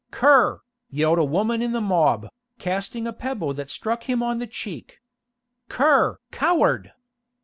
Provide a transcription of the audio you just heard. "Cur," yelled a woman in the mob, casting a pebble that struck him on the cheek. "Cur! Coward!"